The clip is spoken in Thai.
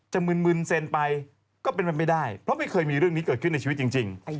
มึนเซ็นไปก็เป็นไปไม่ได้เพราะไม่เคยมีเรื่องนี้เกิดขึ้นในชีวิตจริง